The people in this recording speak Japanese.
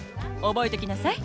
覚えときなさい。